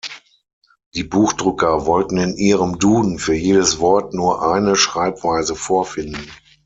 Die Buchdrucker wollten in „ihrem“ Duden für jedes Wort nur "eine" Schreibweise vorfinden.